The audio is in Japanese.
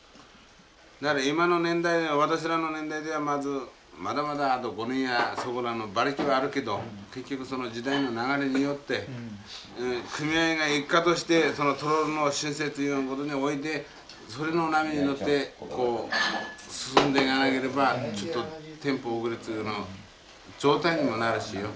なら今の年代私らの年代ではまずまだまだあと５年やそこらの馬力はあるけど結局その時代の流れによって組合が一括してそのトロールの申請ということにおいてそれの波に乗ってこう進んでいかなければちょっとテンポ遅れの状態にもなるしよ。